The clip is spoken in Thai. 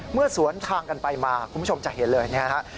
เมื่อสวนทางกันไปมาคุณผู้ชมจะเห็นเลยนะครับ